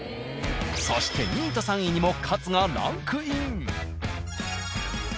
そして２位と３位にもカツがランクイン。